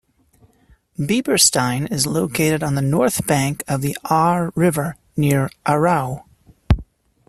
Biberstein is located on the north bank of the Aar River near Aarau.